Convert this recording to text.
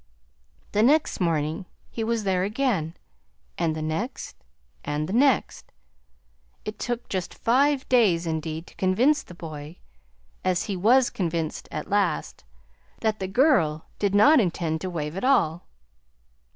The next morning he was there again, and the next, and the next. It took just five days, indeed, to convince the boy as he was convinced at last that the girl did not intend to wave at all."